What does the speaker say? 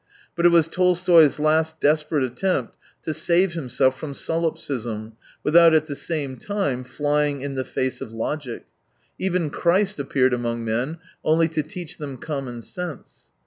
But it was Tolstoy^s last desperate attempt to save himself from sollipsism, without at the same time flying in the face of logic : even Christ appeared among men only to teach them common sense.